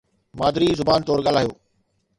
مادري زبان طور ڳالهايو